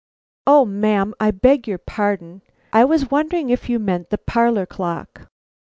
"O ma'am, I beg your pardon. I was wondering if you meant the parlor clock."